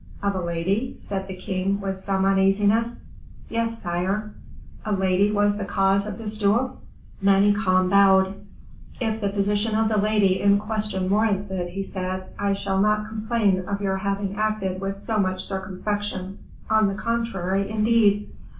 "Of a lady?" said the king, with some uneasiness. "Yes, sire." "A lady was the cause of this duel?" Manicamp bowed. "If the position of the lady in question warrants it," he said, "I shall not complain of your having acted with so much circumspection; on the contrary, indeed."